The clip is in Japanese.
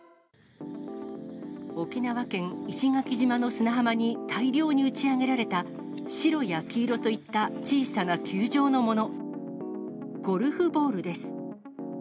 沖縄県石垣島の砂浜に、大量に打ち上げられた白や黄色といった小さな球状のもの。